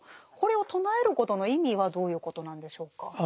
これを唱えることの意味はどういうことなんでしょうか？